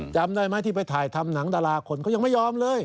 จำได้ไหมที่ไปถ่ายทำหนังดาราคนเขายังไม่ยอมเลย